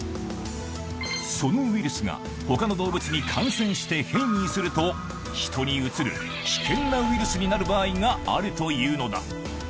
そのウイルスがほかの動物に感染して変異すると、人にうつる危険なウイルスになる場合があるというのだ。